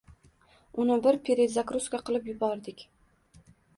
Uni bir “perezagruzka” qilib yubordik.